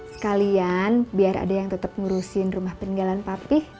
sekalian biar ada yang tetap ngurusin rumah peninggalan papih